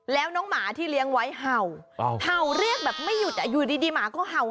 แล้วน้องหมาที่เลี้ยงไว้เห่าเห่าเรียกแบบไม่หยุดอยู่ดีหมาก็เห่า